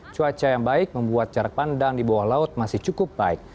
cuaca yang baik membuat jarak pandang di bawah laut masih cukup baik